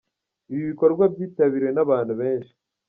Ibi bikorwa byitabiriwe n’abantu benshi